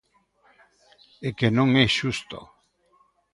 É que non é xusto.